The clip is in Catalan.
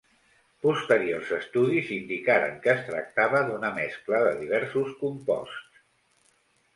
Posteriors estudis indicaren que es tractava d'una mescla de diversos composts.